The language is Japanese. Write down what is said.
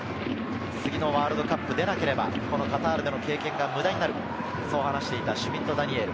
次のワールドカップ出なければ、このカタールでの経験が無駄になる、そう話していたシュミット・ダニエル。